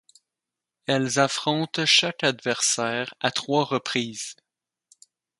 Elles affrontent chaque adversaire à trois reprises.